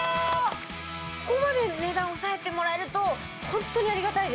ここまで値段抑えてもらえるとホントにありがたいです。